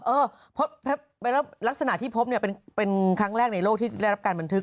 เออเพราะลักษณะที่พบเนี่ยเป็นครั้งแรกในโลกที่ได้รับการบันทึก